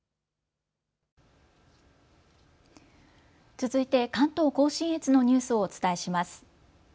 続いて関東甲信越のニュースをお伝えします。